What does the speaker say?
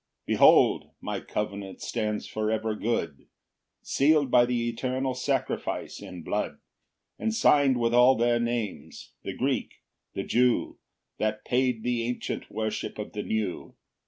3 Behold! my covenant stands for ever good, Seal'd by the eternal sacrifice in blood, And sign'd with all their names; the Greek, the Jew, That paid the ancient worship or the new.